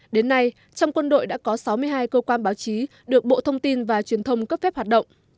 đến nay trong quân đội đã có sáu mươi hai cơ quan báo chí được bộ thông tin và truyền thông cấp phép hoạt động